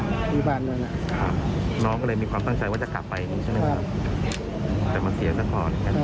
น้องก็เลยมีความตั้งใจว่าจะกลับไปแต่มันเสียซะก่อน